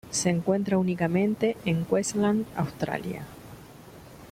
Se encuentra únicamente en Queensland, Australia.